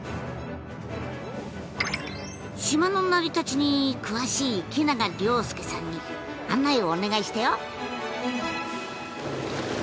島の成り立ちに詳しい池永遼介さんに案内をお願いしたよ。